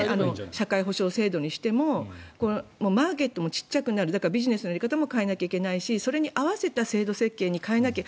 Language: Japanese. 社会保障制度にしてもマーケットも小さくなるだからビジネスのやり方も変えないといけないしそれに合わせた制度設計に変えなきゃ。